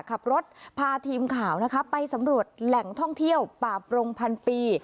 ขับรถพาทีมข่าวนะคะไปสำรวจแหล่งท่องเที่ยวป่าปรงพันปี